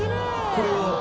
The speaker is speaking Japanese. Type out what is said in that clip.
これは？